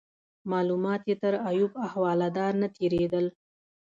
معلومات یې تر ایوب احوالدار نه تیرېدل.